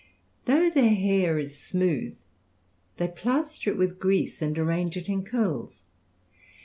Though their hair is smooth, they plaster it with grease and arrange it in curls.